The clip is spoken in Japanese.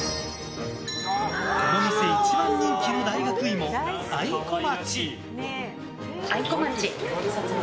この店一番人気の大学いも愛小町。